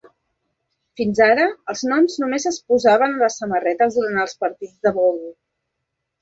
Fins ara, els noms només es posaven a les samarretes durant els partits de bowl.